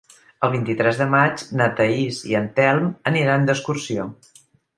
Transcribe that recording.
El vint-i-tres de maig na Thaís i en Telm aniran d'excursió.